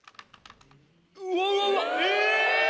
うわうわえ！